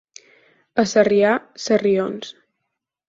A Sarrià, sarrions.